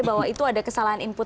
bahwa itu ada kesalahan input